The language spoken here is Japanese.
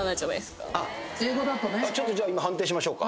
ちょっとじゃあ今判定しましょうか。